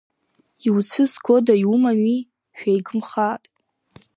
Иуцәызгода, иумами шәеигымхааит!